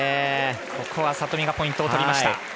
ここは里見がポイントを取りました。